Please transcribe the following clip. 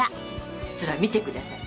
実は見てください。